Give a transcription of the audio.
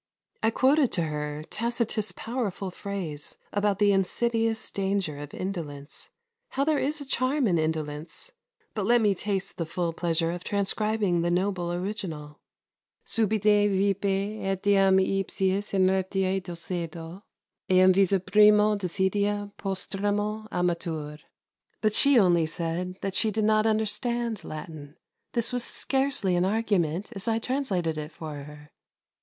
I quoted to her Tacitus' powerful phrase about the insidious danger of indolence; how there is a charm in indolence but let me taste the full pleasure of transcribing the noble original: "Subit quippe etiam ipsius inertiæ dulcedo: et invisa primo desidia postremo amatur"; but she only said that she did not understand Latin. This was scarcely an argument, as I translated it for her.